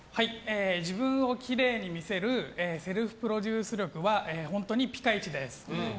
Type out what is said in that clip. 自分をきれいに見せるセルフプロデュース力は本当にピカイチです。